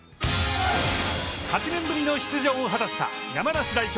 ８年ぶりの出場を果たした山梨代表